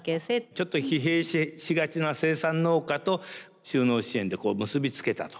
ちょっと疲弊しがちな生産農家と就農支援で結び付けたと。